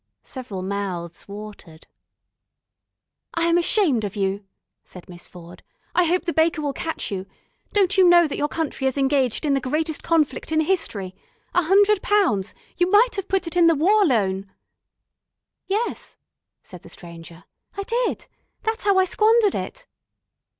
Several mouths watered. "I am ashamed of you," said Miss Ford. "I hope the baker will catch you. Don't you know that your country is engaged in the greatest conflict in history? A hundred pounds ... you might have put it in the War Loan." "Yes," said the Stranger, "I did. That's how I squandered it."